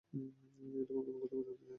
আমি তোমার কোনো কথা শুনতে চাই না।